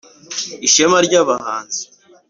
ishema ry’abahanzi